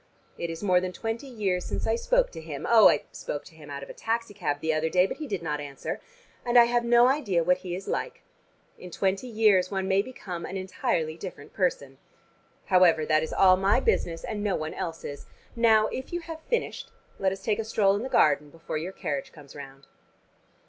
It is more than twenty years since I spoke to him oh, I spoke to him out of a taxi cab the other day, but he did not answer and I have no idea what he is like. In twenty years one may become an entirely different person. However, that is all my business, and no one else's. Now, if you have finished, let us take a stroll in the garden before your carriage comes round."